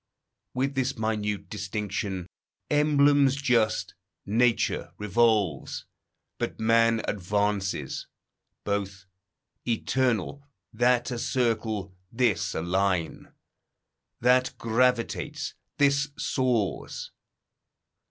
With this minute distinction, emblems just, Nature revolves, but man advances; both Eternal, that a circle, this a line. That gravitates, this soars.